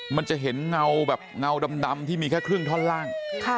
มันจะเห็นเงาแบบเงาดำที่มีแค่ครึ่งท่อนล่าง